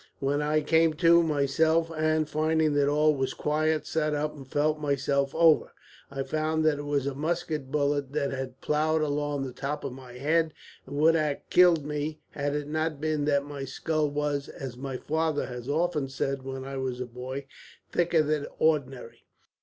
When I came to myself and, finding that all was quiet, sat up and felt myself over, I found that it was a musket bullet that had ploughed along the top of my head, and would ha' killed me had it not been that my skull was, as my father had often said when I was a boy, thicker than ordinary.